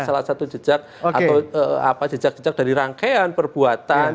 salah satu jejak atau jejak jejak dari rangkaian perbuatan